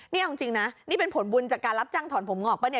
นี่จริงนะนี่เป็นผลบุญจากการรับจังถอนผมออกปะ